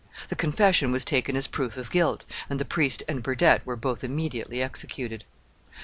The confession was taken as proof of guilt, and the priest and Burdett were both immediately executed.